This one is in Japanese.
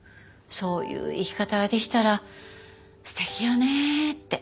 そういう生き方ができたら素敵よねって。